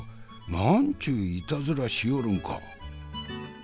なんちゅういたずらしよるんか。